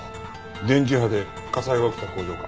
電磁波で火災が起きた工場か。